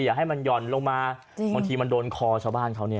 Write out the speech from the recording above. อย่าให้มันหย่อนลงมาบางทีมันโดนคอชาวบ้านเขาเนี่ย